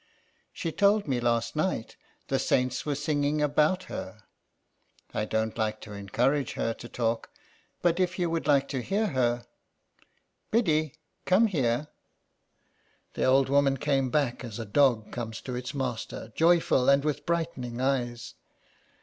She told me last night the saints were singing about her. I don't like to encourage her to talk, but if you would like to hear her — Biddy, come here !" 114 SOME PARISHIONERS. The old woman came back as a dog comes to its master, joyful, and with brightening eyes.